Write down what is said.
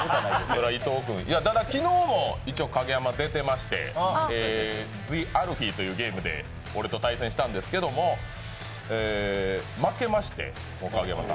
ただ、昨日も一応、カゲヤマ出てまして「ＴＨＥＡＬＦＥＥ」というゲームで俺と対戦したんですけど、負け増して、カゲヤマ。